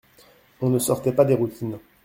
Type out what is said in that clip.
On ne sortait pas des routines.